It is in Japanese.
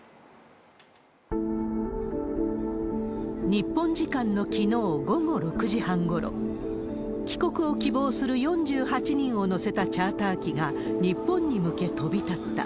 日本時間のきのう午後６時半ごろ、帰国を希望する４８人を乗せたチャーター機が、日本に向け飛び立った。